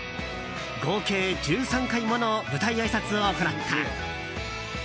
合計１３回もの舞台あいさつを行った。